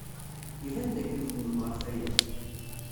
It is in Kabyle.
Iban dakken xemmemeɣ ɣef waya.